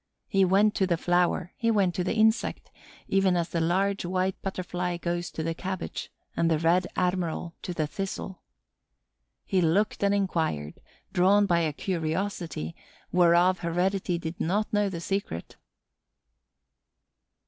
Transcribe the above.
He went to the flower, he went to the insect, even as the Large White Butterfly goes to the cabbage and the Red Admiral to the thistle. He looked and inquired, drawn by a curiosity whereof heredity did not know the secret.